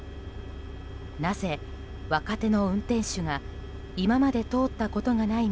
なぜ若手の運転手が今まで通ったことがない